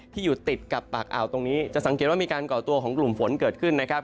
ที่อยู่ติดกับปากอ่าวตรงนี้จะสังเกตว่ามีการก่อตัวของกลุ่มฝนเกิดขึ้นนะครับ